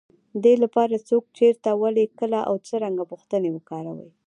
دې لپاره، څوک، چېرته، ولې، کله او څرنګه پوښتنې وکاروئ.